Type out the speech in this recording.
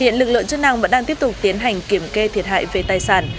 hiện lực lượng chức năng vẫn đang tiếp tục tiến hành kiểm kê thiệt hại về tài sản